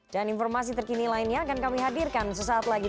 dan informasi terkini lainnya akan kami hadirkan sesaat lagi